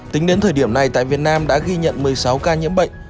tính đến thời điểm này tại việt nam đã ghi nhận một mươi sáu ca nhiễm bệnh